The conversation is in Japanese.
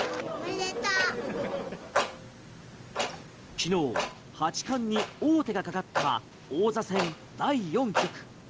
昨日、八冠に王手がかかった王座戦第４局。